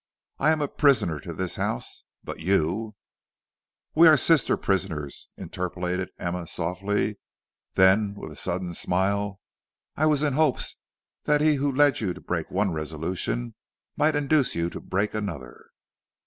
I am a prisoner to this house, but you " "We are sister prisoners," interpolated Emma, softly. Then with a sudden smile, "I was in hopes that he who led you to break one resolution might induce you to break another."